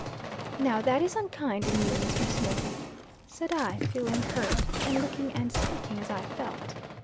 "Now, that is unkind in you, Mr. Smith," said I, feeling hurt, and looking and speaking as I felt.